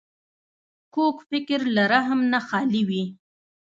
کوږ فکر له رحم نه خالي وي